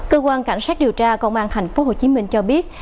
cơ quan cảnh sát điều tra công an thành phố hồ chí minh cho biết